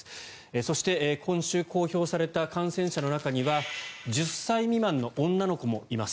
そして、今週公表された感染者の中には１０歳未満の女の子もいます。